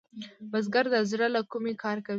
بزګر د زړۀ له کومي کار کوي